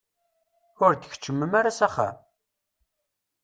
Ur d-tkeččmem ara s axxam?